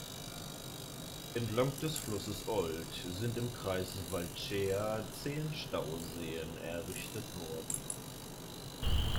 Entlang des Flusses Olt sind im Kreis Vâlcea zehn Stauseen errichtet worden.